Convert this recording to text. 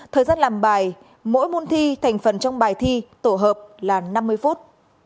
thời gian làm bài mỗi môn thi thành phần trong bài thi tổ hợp là năm mươi phút